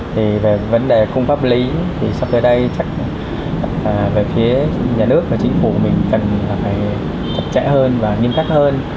thì về vấn đề không pháp lý thì sắp tới đây chắc về phía nhà nước và chính phủ mình cần phải chặt chẽ hơn và nghiêm khắc hơn